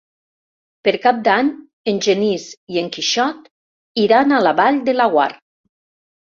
Per Cap d'Any en Genís i en Quixot iran a la Vall de Laguar.